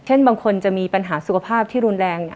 บางคนจะมีปัญหาสุขภาพที่รุนแรง